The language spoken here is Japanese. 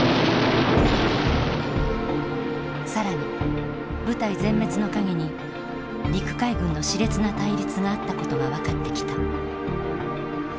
更に部隊全滅の陰に陸海軍の熾烈な対立があったことが分かってきた。